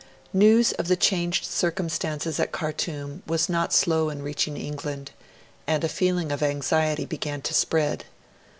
News of the changed circumstances at Khartoum was not slow in reaching England, and a feeling of anxiety began to spread.